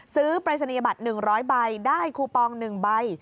ซื้อปรัชนีบัตร๑๐๐ใบได้คูปอง๑ใบ